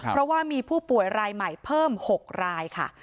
เพราะว่ามีผู้ป่วยรายใหม่เพิ่ม๖รายค่ะ